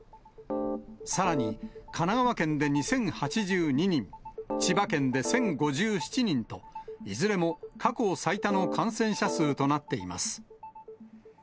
さらに、神奈川県で２０８２人、千葉県で１０５７人と、いずれも過去最多の感染者数となっています。